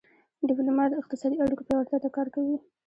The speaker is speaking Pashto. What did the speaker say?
ډيپلومات د اقتصادي اړیکو پیاوړتیا ته کار کوي.